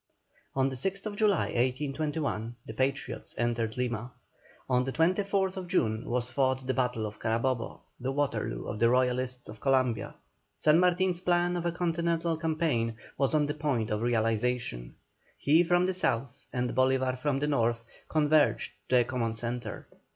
On the 6th July, 1821, the Patriots entered Lima; on the 24th June was fought the battle of Carabobo, the Waterloo of the Royalists of Columbia. San Martin's plan of a continental campaign was on the point of realization; he from the south, and Bolívar from the north, converged to a common centre.